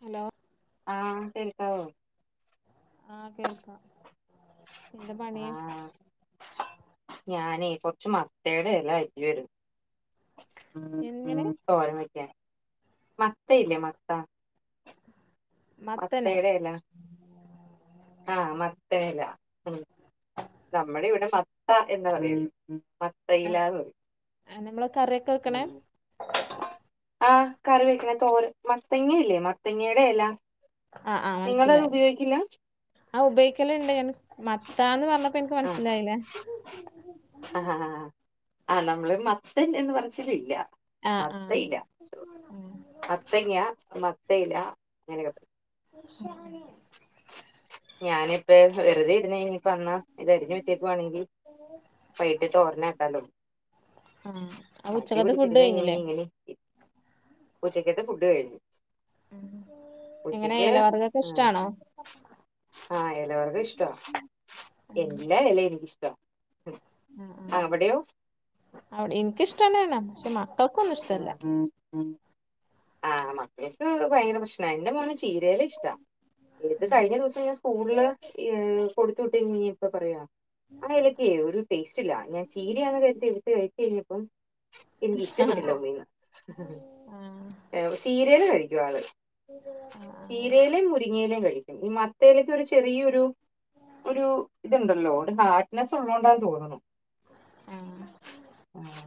Hello ആഹ കേക്കാവോ ആ കേൾക്കാം എന്താ പണി ആ ഞാനേ കൊറച്ച മ ത്തേടെ എല അരിയാർന്നു ഉം എങ്ങനെ ഉം തോരൻ വക്കാന് മത്ത ഇല്ലേ മത്ത മത്തന് മത്തേടെ ഇല ആ മത്തയല ഉം നമ്മുടെ ഇവിടെ മത്ത എന്ന് പറയ മത്തയിലാന്ന് പറയും ആ നമ്മൾ ആ കറി വെക്കണ തോര മത്തങ്ങയില്ലേ മത്തങ്ങേ വേല ആഹ് ആഹ് മനസ്സിലായി ആഹ് ഉപയോഗിക്കല്ണ്ട് ഞാൻ മത്താന്ന് പറഞ്ഞപ്പോ എനിക്ക് ആഹ് മനസ്സിലായില്ല ആഹ് ആഹ് ആഹ് നമ്മള് മത്തൻ എന്ന പറച്ചിൽ ഇല്ല. ആഹ് ആഹ് മത്തയില, ആഹ് മത്തങ്ങ, മത്തയില അങ്ങനെക്കെ പറയും ഞാനിപ്പ വെറുതെ ഇരുന്ന് കഴിഞ്ഞപ്പ എന്ന ഇതരിഞ്ഞ് വിച്ചേക്കുവാണെങ്കിൽ. വൈകിട്ട് തോരൻ ആക്കാലോ. ആഹ് അപ്പൊ മടി ഉച്ചക്കത്തെ ഫുഡ് പിടിച്ചിരുന്നു കഴിഞ്ഞില്ലേ കഴിഞ്ഞാല് ഇങ്ങനെയിരിക്കും ഉച്ചയ്ക്കത്തെ ഫുഡ്. ഫുഡ്‌ കഴിഞ്ഞു. ഉം എങ്ങനെയാ ഇല വർഗ്ഗമൊക്കെ ഇഷ്ടാണോ? ആഹ് ഇല വർഗ്ഗമിഷ്ടമാണ്, ആഹ് എല്ലാ ഇലയും എനിക്കിഷ്ട്ടാണ്. ആഹ് അവിടെയോ? അവിടെ എനിക്കിഷ്ടം തന്നെയാണ്, പക്ഷെ മക്കളെക്കൊന്നും ഇഷ്ടല്ല. ആഹ് മക്കൾക്ക് ഭയങ്കര പ്രശ്നാ, എന്റെ മോന് ചീര. ഇല ഇഷ്ട ഇത് കഴിഞ്ഞ ദിവസം ഞാൻ സ്കൂളില് ഏഹ് കൊടുത്തു വിട്ട് കഴിഞ്ഞപ്പോ ഇപ്പ പറയാ. അത് ഇലക്ക് ഒരു ടേസ്റ്റ് ഇല്ല, ഞാൻ ചീരയാന്ന് കരുതി എടുത്ത് കഴിച്ച് കഴിഞ്ഞപ്പോ. എനിക്ക് ആഹ് ഇഷ്ടപ്പെട്ടില്ല ഉമ്മീന്ന്. ആഹ് ഏഹ് ചീരയില കഴിക്കും ആള്, ആഹ് ചീരയിലെയും മുരിങ്ങയിലയും കഴിക്കും. ഈ മത്തയിലക്ക് ഒരു ചെറിയൊരു. ഒരു ഇതുണ്ടല്ലോ, ഒരു ഹെഡ് നെസ് ഉള്ളതോണ്ടാന്ന് തോന്നുന്നു. ആഹ് ആഹ്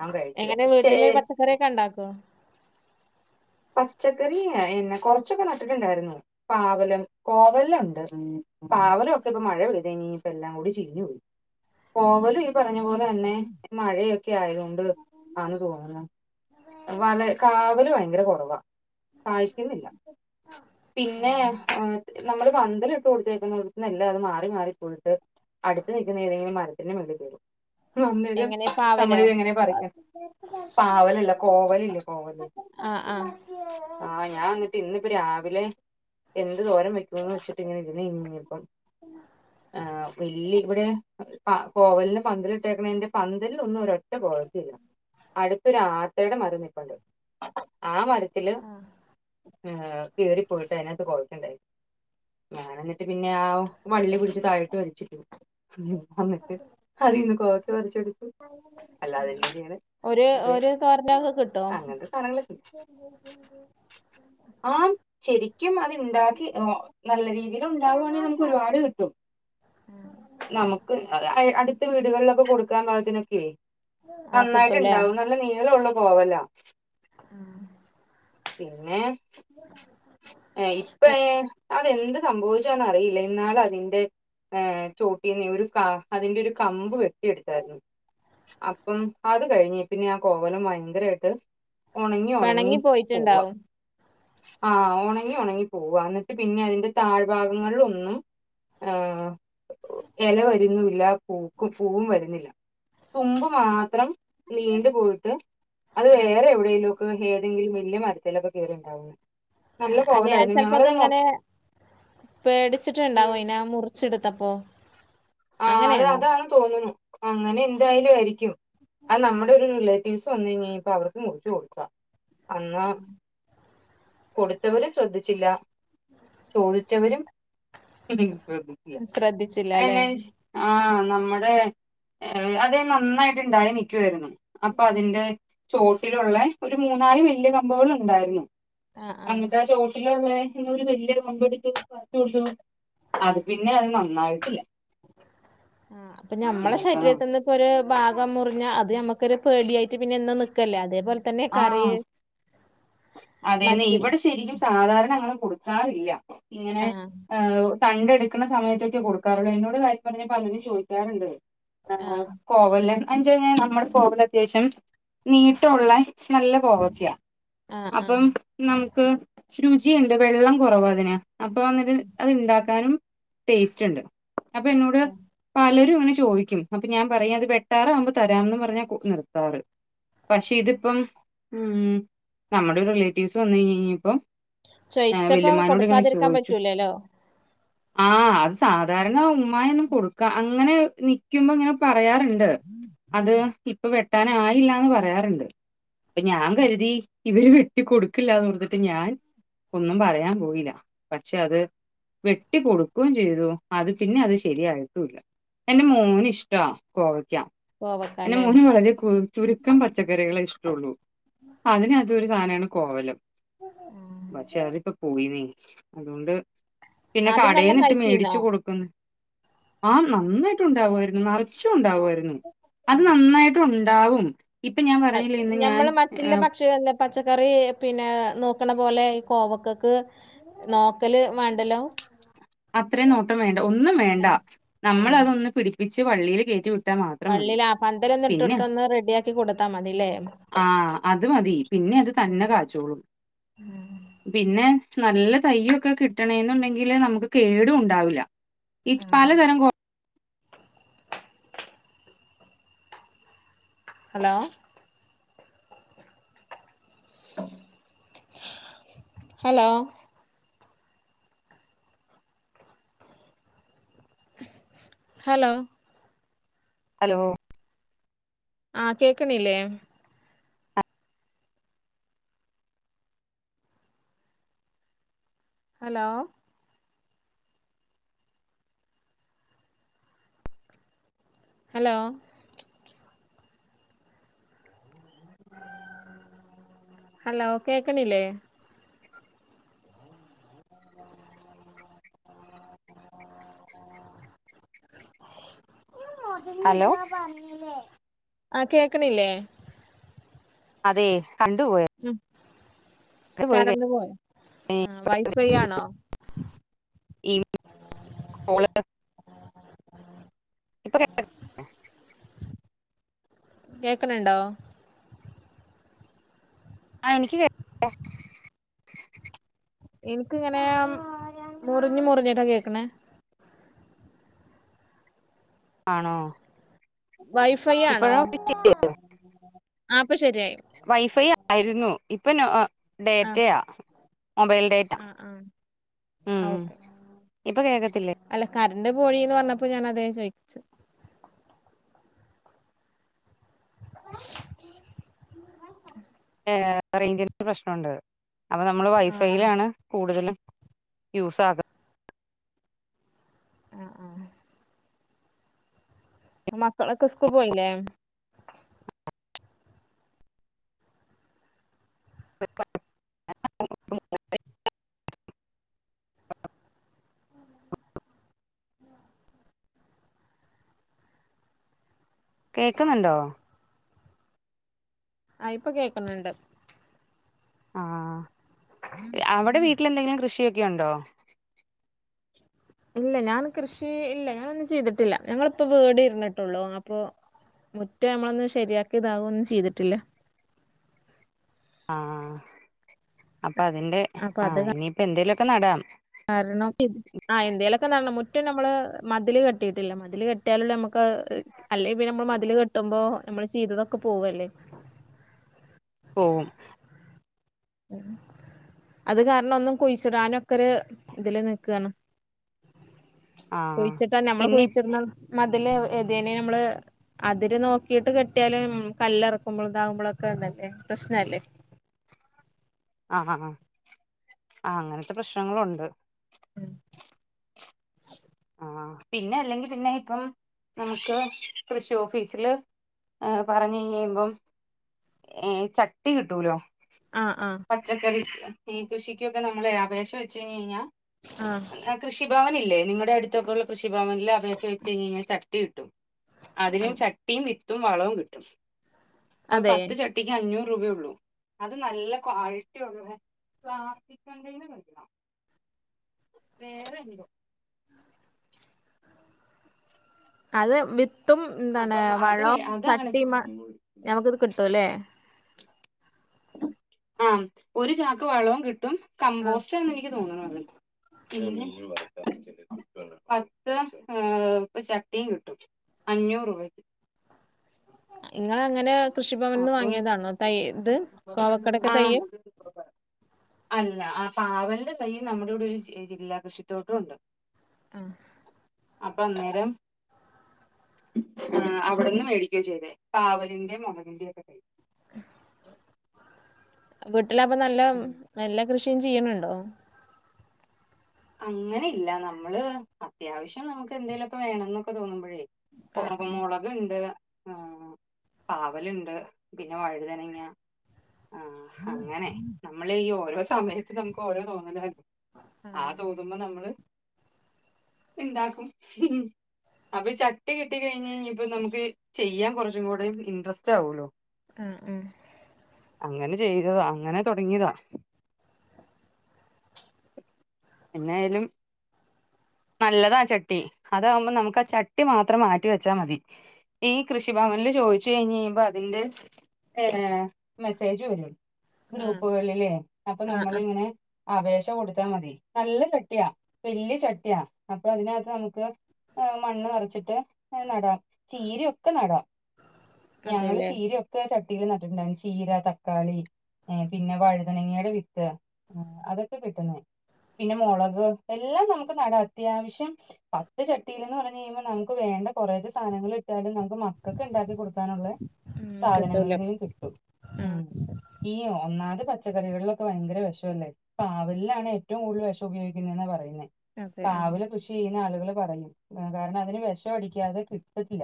ഞാൻ കഴിക്കില്ല എങ്ങനെ ചേ വീട്ടില് പച്ചക്കറിയൊക്കെ ഉണ്ടാക്കൊ? പച്ചക്കറി എന്നാ കൊറച്ചൊക്കെ നട്ടിട്ടുണ്ടായിരുന്നു, പാവലും, കോവലുണ്ട് നല്ലോണം. പാവലും ഒക്കെ ഇപ്പൊ മഴ പെയ്ത കഴിഞ്ഞപ്പോ എല്ലാ കൂടി ചീഞ്ഞ് പോയി. കോവലും ഈ പറഞ്ഞുപോലെ തന്നെ മഴയൊക്കെ ആയത് കൊണ്ട് ആണെന്ന് തോന്നുന്നു. വല കാവല് ഭയങ്കര കുറവാ, കാഴ്ക്കുന്നില്ല. പിന്നെ ആഹ് ഏഹ് നമ്മള് പന്തല് ഇട്ട് കൊടുത്തു കഴിഞ്ഞപ്പോ കിളിക്കുന്നത് എല്ലാ അത് മാറി മാറി പോയിട്ട്. അടുത്ത് നിൽക്കുന്ന ഏതെങ്കിലും മരത്തിന് മേളിൽ കേറും. അന്നേരം എങ്ങനെ പാവലോ നമ്മളിത് എങ്ങനെയാ പറിക്കും, പാവലല്ല, കോവല് ഇല്ലേ കോവല്. ആഹ് ആഹ് ഞാൻ എന്നിട്ട് ഇന്നിപ്പോ രാവിലെ. എന്ത് തോരൻ വെക്കുംന്ന് വെച്ചിട്ട് ഇങ്ങനെ ഇരുന്ന് ഇങ്ങിനിപ്പം ആ വലിയ ഇവിടെ കോവലിനെ പന്തലിട്ടേക്കണൻ്റെ പന്തലൊന്നും ഒരറ്റ പോഴത്തില്ല അടുത്തൊരു ആത്തയുടെ മരം നിൽപ്പുണ്ട്. ആ മരത്തില് ആഹ് ഏഹ് കേറി പോയിട്ട് അതിനത്ത് കൊറയ്ക്കണ്ടായിരുന്നു ഞാന് എന്നിട്ട് പിന്നെ ആ വള്ളി പിടിച്ച് താഴോട്ട് വലിച്ചിട്ട് അമ്മക്കെ അതിന്ന് കോവക്ക പറിച്ചെടു ഒരു അപ്പൊ ഒരു തോരനൊക്കെ കിട്ടും [inaudible] അങ്ങനത്തെ സാധനങ്ങളൊക്കെ ആഹ് ശരിക്കും അത് ഇണ്ടാക്കി നല്ല രീതിയിൽ ഉണ്ടാവുവാണേൽ നമുക്ക് ഒരുപാട് കിട്ടും. നമുക്ക് അയ് അടുത്ത വീടുകളിലൊക്കെ കൊടുക്കാൻ പാകതിന്നൊക്കെയെ ആഹ് നന്നായിട്ട് കിട്ടൂല്ലേ ഇണ്ടാവും നല്ല നീളം ഉള്ള കോവലാ. പിന്നെ ഇപ്പ അതെന്ത് സംഭവിച്ചെന്ന് അറിയില്ല ഇന്നാള് അതിൻ്റെ ഏഹ് ചോട്ടിന്ന് ഒരു അതിന്റെ ഒരു കമ്പ് വെട്ടിയെടുത്തായിരുന്നു. അപ്പം അത് കഴിഞ്ഞീപിന്നെ ആ കോവലം ഭയങ്കരാട്ട് ഒണങ്ങി ഒണങ്ങി പിണങ്ങി പോവാ പോയിട്ടുണ്ടാവും ആ ഉണങ്ങി ഉണങ്ങി പോവ എന്നിട്ട് പിന്നെ അതിന്റെ താഴ് ഭാഗങ്ങളിൽ ഒന്നും ആ ഇല വരുന്നുല്ല പുക്കും പൂവും വരുന്നില്ല തുമ്പ് മാത്രം നീണ്ടു പോയിട്ട് അത് ആഹ് വേറെ എവിടെലും ഒക്കെ ഏതെങ്കിലും വല്യ മരത്തിലൊക്കെ കയറിണ്ടാവന്ന് ആ അല്ലെ ചിലപ്പോ അത് ഇങ്ങനെ പേടിച്ചിട്ടും ഉം ഇണ്ടാവും ഇന മുറിച്ചെടു തപ്പോ ആ അത് അതാെന്ന് തോന്നുന്നു അങ്ങനെ എന്തായാലും ആയിരിക്കും അത് നമ്മുടെ ഒരുല്ല സ് വന്നു ഞ്ഞ് പ്പ അവർക്ക് മുറിച്ചു കൊടുക്കാം അന്നാ കൊടുത്തവര് ശ്രദ്ധിച്ചില്ല ചോദിച്ചവരും ശ്രദ്ധിക്ക ശ്രദ്ധിച്ചില്ല അല്ലെ അനെ ആഹ് നമ്മുടെ അതേ നന്നായിട്ട് ഉണ്ടായി നിൽക്കുവായിരുന്നു അപ്പൊ അതിന്റെ ചോട്ടിലുള്ള ഒരു മൂന്നാല് വല്യ കമ്പുകൾ ഉണ്ടായിരുന്നു ആഹ് ആഹ് അങ്ങത്തൊ ചോട്ടിലുള്ള വല്യരു മുപടി പറുച്ചു അത് പിന്നെ അത് നന്നായിട്ടില്ല ആ അപ്പൊ ഞമ്മള പിന്നെപ്പ ന ശരീരത്തി നിന്ന് ഇപ്പോ ഒരു ഭാഗം മുറിഞ്ഞ അത് നമുക്കൊരു പേടിയായിട്ട് പിന്നെ ഇന്നുംനിക്കല്ലേ അതേപോൽ ആ അതെന്ന മറ്റ് ഇവിടെ ശരിക്കും സാധാരണങ്ങ കൊടുക്കാറില്ല ഇങ്ങനെ ആഹ് ഏഹ് തണ്ട് എടുക്കുന്ന സമയത്തൊക്കെ കൊടുക്കാറുള്ളൂ എന്നോട് കാര്യം പറഞ്ഞാൽ പലരും ചോദിക്കാറുണ്ട് ആ ആഹ് കോവൽ അഞ്ച എങ്ങനെ കഴിഞ്ഞാൽ നമ്മുടെ കോവൽ അത്യാവശ്യം നീട്ടുള്ള സ്നെല്ല കോവക്കെയാ ആഹ് ആഹ് അപ്പം നമുക്ക് രുചിയുണ്ട് വെള്ളം കുറവാ അതിനാ അപ്പൊ അന്നിട്ട് അത് ഇണ്ടാക്കാനും ടേസ്റ്റ് ഉണ്ട് അപ്പൊ എന്നോട് പലരും ഇങ്ങനെ ചോദിക്കും അപ്പൊ ഞാൻ പറ അത് വെട്ടാറാവുമ്പോ തരാന്ന് പറഞ്ഞാ നിർത്താറ് പക്ഷെ ഇതിപ്പം ഉം നമ്മുടെ റിലേറ്റീവ്സ് വന്ന് കഴിഞ്ഞപ്പം ചോയിച്ചപ്പം കൊടുക്കാതിരിക്കാൻ പറ്റൂലല്ലോ ആ അത് സാധാരണ ഉമ്മായിന്നും കൊടുക്ക അങ്ങനെ നിക്കുമ്പോ ഇങ്ങനെ പ പറയാറുണ്ട് അത് ഇപ്പൊ വെട്ടാന ആയില്ലന്ന് പറയാറുണ്ട് അപ്പൊ ഞാൻ കരുതി ഇവര് വെട്ടിക്കൊടുക്കില്ലന്ന് പറഞ്ഞിട്ട് ഞാൻ ഒന്നും പറയാൻ പോയില്ല പക്ഷെ അത് വെട്ടി കൊടുക്കുകയും ചെയ്തു അത് പിന്നെ അത് ശരിയായിട്ടുംല്ല എന്റെ മോന് ഇഷ്ടമാ കോവയ്ക്ക കോവക്ക എന്റെ ല്ലേ മൂന് വളരെ കു ചുരുക്കം പച്ചക്കറികളെ ഇഷ്ടുള്ളു അതിന് അത് ഒരു സാധനമാണ് കോവലം പക്ഷെ അതിപ്പോ പോയിന്നേ അതുകൊണ്ട് പിന്നെ ആദ്യം നല്ലോം കടയിൽന്നിട്ട് കഴിച്ചീന്നോ മേടിച്ചു കൊടുക്കുന്നു ആ നന്നായിട്ട് ഉണ്ടാവായിരുന്നു നിറച്ചും ഉണ്ടാവുയിരുന്നു അത് നന്നായിട്ടും ഉ ഉണ്ടാവും ഇപ്പൊ ഞാൻ പറഞ്ഞില്ലേ ഹസ് ഇന്ന് ഞാൻ ഞമ്മള് മറ്റുള്ള പക്ഷികല്ല പച്ചക്കറി പിന്നെ നോക്കണ പോലെ കോവക്ക ക്ക് നോക്കല് വേണ്ടലോ അത്രയും നോട്ടം വേണ്ട ഒന്നും വേണ്ട നമ്മൾ അതൊന്ന് പിടിപ്പിച്ച് വള്ളിയിൽ കയറ്റി വി പള്ളില ആ പന്തല ഒന്നിട്ടടുദത്ത് ഒന്ന് റെഡിയാക്കി കൊടുത്താ മതില്ലേ ആ അത് മതി പിന്നെ അത് തന്നെ കാച്ചോളും പിന്നെ നല്ല തയ്യോക്കെ കിട്ടണെന്നുണ്ടെങ്കില് നമുക്ക് കേടും ഉണ്ടാവില്ല ഇ പലതരം കോ ഹലോ ഹലോ ഹലോ ഹലോ ആ കേക്കണില്ലേ ഹലോ ഹലോ ഹലോ കേക്കണില്ലേ ഹലോ ആഹ് കേക്കണില്ലേ അതെ കണ്ടുപോയ പോയി കഴി കറന്നു പോയ ആ വൈഫൈ ആണോ [inaudible] ഇപ്പ [inaudible] കേക്ക്ണ് ണ്ടോ? ആഹ് എനിക്ക് [unintelligible] ഇൻക്ക്ങ്ങനെ മുർഞ് മുർഞ്ഞിട്ടാ കേക്ക്ണെ. ആണോ? വൈഫൈ ആണോ ഇപ്പഴോ [unintelligible] ആ അപ്പൊ ശരിയായി വൈഫൈ ആയിരുന്നു. ഇപ്പൊ നോ ഒ ആ ഡേറ്റയാ. മൊബൈൽ ഡേറ്റ ആ ആ ഉം ആ ഉം ഓക്കെ ഇപ്പൊ കേക്കത്തില്ലേ? ന്റ് പോഴീന്ന് പർഞ്ഞപ്പോ ഞാൻ അത ഞാ ചോയ്ച്ചേ ഏഹ് റെയ്ഞ്ചിൻ്റെ പ്രശ്നണ്ട് അപ്പ നമ്മള് ആ വൈഫൈലാണ് കൂട്തലും. യുസാഗ ആഹ് ആഹ് മക്കളൊക്കെ സ്ക്കു പോയില്ലേ? [unintelligible] കേക്ക്ന്ന്ണ്ടോ? ആഹ് ഇപ്പോ കേക്ക്ന്ന്ണ്ട്. ആഹ് അവടെ വീട്ടില് എന്തെങ്കിലും കൃഷിയൊക്കെണ്ടോ? ഇല്ല ഞാൻ കൃഷി ഇല്ല ഞാനൊന്നും ചെയ്തിട്ടില്ല ഞങ്ങളിപ്പോ വീട്ര്ന്ന്ട്ടൊള്ളൂ അപ്പൊ മുറ്റ അമ്മളൊന്ന് ശെര്യാക്ക്യതാ അതൊന്നും ചെയ്തിട്ടില്ല. ആഹ് അപ്പൊ അതിന്റെ അപ്പൊ അത് ആഹ് ഇനിയിപ്പ എന്തേലൊക്കെ നടാം റ്റം നമ്മള് മതില് കെട്ടീട്ടില്ല മതില് കെട്ട്യാലലെ അമ്മക്കത് അല്ലെ പിന്നമ്മള് മതില് കെട്ടുമ്പോ നമ്മള് ചെയ്തതൊക്കെ പോവല്ലേ പോവും അത് കാരണം ഒന്നും കുഴിച്ചിടാനൊക്കൊര് ഇതില് നിക്കാണ്. ആഹ് കുയിച്ചിട്ടാ നമ്മള് പിന്നെ കുയിച്ച്ടുന്ന മ തില് ഏതേനേം നമ്മള് അതിര് നോക്കിയിട്ട് കെട്ടിയാലും കല്ല് എറക്കുമ്പോളിതാകുമ്പോളൊക്കെ ഒണ്ടല്ലോ ഏഹ് പ്രശ്നല്ലേ? അഹ് ആഹ് ആഹ് അങ്ങനത്തെ പ്രശ്നങ്ങളൊണ്ട്. ഉം ആഹ് പിന്നെ അല്ലെങ്കിൽ പിന്നെ ഇപ്പം നമുക്ക് കൃഷി ഓഫീസില് ഏർ പറഞ്ഞു കഴിയുമ്പം ഏഹ് ചട്ടി കിട്ടൂലോ? ആഹ് ആഹ് പച്ചക്കറി [unintelligible] കൃഷിക്കൊക്കെ നമ്മളപേക്ഷ വെച്ച് കഴിഞ്ഞ് കഴിഞ്ഞാ ആഹ് കൃഷിഭവനില്ലേ? നിങ്ങടെ അടുത്തൊക്കെ ഉള്ള കൃഷിഭവനില് അപേക്ഷ വെച്ച് കഴിഞ്ഞ് കഴിഞ്ഞാ ചട് ടി കിട്ടും. അതിനും ആഹ് ചട്ടീം വിത്തും വളവും കിട്ടും. അപ്പ അതെ പത്ത് ചട്ടിക്ക് അഞ്ഞൂറ് രൂപയേ ഉള്ളൂ. അത് നല്ല ക്വാളിറ്റി ഉള്ള പ്ലാസ്റ്റിക് കണ്ടെയ്നറല്ല. വേറെന്തോ അത് വിത്തും പിന്നെ അപ്പം അത് വേ വളോം അതാണ് ചട്ടീമാ നമുക്കത് കി ട്ടും ല്ലേ? ആഹ് ഒരു ചാക്ക് വളോം കിട്ടും ആഹ് കമ്പോസ്റ്റാന്നെനിക്ക് തോന്നണത്, [unintelligible] ഫസ്റ്റ് ക്ലാസ് ആഹ് ചട്ടീം കിട്ടും അഞ്ഞൂറ് രൂപക്ക്. ഇങ്ങളങ്ങനെ കൃഷിഭവനീന്ന് അപ്പം വാങ്ങിയതാണോ തൈ, ഇത് കോവക്കേടക്കെ തൈ? ആ അല്ല, ആ പാവലിന്റെ തൈ നമ്മടെ ഇവിടെ ഒരു ജി ജില്ലാ കൃഷിത്തോട്ടോണ്ട്. അഹ് അപ്പന്നേരം ആഹ് അവിടുന്നുമേടിക്കുവാ ചെയ്തേ. പാവലിന്റേം മുളകിന്റെയൊക്കെ തൈ. വീട്ടിലപ്പൊനല്ല ഉം. നല്ല കൃഷിയും ചെയ്യണുണ്ടോ അങ്ങനെയില്ല നമ്മള് അത്യാവശ്യം നമുക്കെ ന്തേങ്കലുമൊക്കെ വേണമെന്നൊക്കെ തോന്നുമ്പോളേ കോ ആഹ് മുളകുണ്ട് ആഹ് പാവലുണ്ടു പിന്നെ വഴുതനങ്ങ ആഹ് അങ്ങനെ നമ്മളീയോരോ സമയത്തു നമുക്കോരോ തോന്നലാവും [unintelligible] ആ തോന്നുമ്പോ നമ്മള് ണ്ടാക്കും. അപ്പൊയീ ചട്ടി കിട്ടിക്കഴിഞ്ഞു ഇനിയീപ്പ നമുക്ക് ചെയ്യാൻ കുറച്ചുകൂടെ യിൻട്രസ്റ്റാവൂലോ ആഹ് ആഹ് അങ്ങനെ ചെയ്തതാ യങ്ങനെ തുടങ്ങിയത എന്നായാലും നല്ലതാ ചട്ടി അതാകുമ്പോ നമുക്കാ ആ ചട്ടി മാത്രം മാറ്റി വെച്ചാമതി ഈ കൃഷിഭവനിൽ ചോദിച്ചു കഴിഞ്ഞു കഴിയുമ്പോയതിന്റെ ഏയ് മെസ്സേജുവരും ആഹ് ഗ്രൂപ്പുകളിലേ അപ്പൊ ആഹ് ആഹ് നമ്മളിങ്ങനെയപേക്ഷ അപേക്ഷകൊടുത്താ മതി നല്ലചട്ടിയാ വല്യ ചട്ടിയാ അപ്പൊയതിനകത്തു നമുക്ക് ഏയ് മണ്ണുനിറച്ചിട്ട് നടാം. ചീരയൊക്കെ നടാം. അതെല്ലേ ഞങ്ങളുചീരയൊക്കെ ചട് പിന്നെ നട്ടിട്ടുണ്ടായിരുന്നു ചീര തക്കാളി ഏയ് പിന്നെ വഴുതനങ്ങയുടെ വിത്ത് അതൊ കിട്ടുന്നേ പിന്നെ മുളകെല്ലാം നമുക്കുനടാം ത്യാവശ്യം പത്തുചട്ടിയിൽലെന്നു പറഞ്ഞുകഴിയുമ്പോൾ നമുക്കുവേ [unintelligible] കുറേയൊക്കെ സാധനങ്ങൾ ഇട്ടാലും നമുക്കുമക്കക്കുണ്ടാക്കി കൊടുക്കാനുള്ളേ ഉം കിട്ടൂല സാധനങ്ങളതിൽ കിട്ടും ഉം ഈ ഒന്നാത് പച്ചക്കറികളിലൊക്കെ ഭയങ്കര വിഷല്ലേ. പാവലിലാണേറ്റവും കൂടുതൽ വിഷ മുപയോഗിക്കുന്നതെന്നാപറയുന്നേ അതെ ഉം പാവലു കൃഷി ചെയ്യുന്നയാൾ [unintelligible] പറയും കാരണതിനുവിഷം അടിക്കാതെ കിട്ടത്തില്ല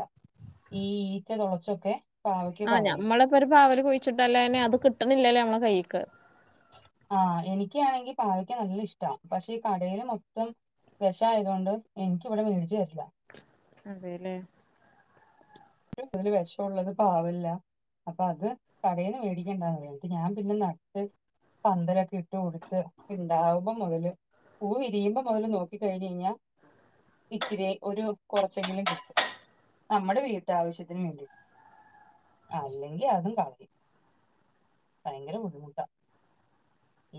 ഈയീച്ച തുളച്ചൊക്കെ പാവയ്ക്ക് ആഹ് കളയും ഞമ്മളിപ്പൊ ഒരു പാവലു കുഴിച്ചിട്ടാലാലേന് അത് കിട്ടണില്ലേ നമ്മടെ കയ്യിലേക്ക് ആഹ് എനിക്കാണെങ്കി പാവക്കാ നല്ല ഇഷ്ടാ പക്ഷേ ഈ കടേലെ മൊത്തം- വിഷമായതുകൊണ്ട് എനക്കിവിടെ മേടിച്ചു തരില്ല അതെയല്ലേ ഏറ്റവും കൂടുതലു വിഷമുള്ളതും പാവലിലാ അപ്പൊ അത് കടേന്നുമേടിക്കണ്ടാന്നു പറയും ഞാൻ പിന്നെ നട്ട്- പന്തലൊക്കെ ഇട്ടുകൊടുത്തു ഇണ്ടാകുമ്പോമൊതല് - പൂവുവിരിയുമ്പോ മൊതല് നോക്കിക്കഴിഞ്ഞുഴിഞ്ഞാ- ഇച്ചിരിയൊരു കൊറച്ചെങ്കിലും കിട്ടും നമ്മുടെ വീട്ടി- ഒരാവശ്യത്തിനുവേണ്ടി. അല്ലെങ്കിലതും കളയും. ഭയങ്കരബുദ്ധിമുട്ടാ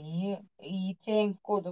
ഈ ഈച്ചേം കൊതുകും-